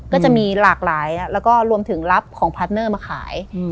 ก็จะมีหลากหลายแล้วก็รวมถึงรับของพาร์ทเนอร์มาขาย